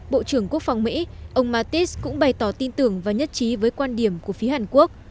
bộ trưởng quốc phòng mỹ ông mattis cũng bày tỏ tin tưởng và nhất trí với quan điểm của phía hàn quốc